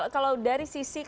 kalau dari sisi kelompok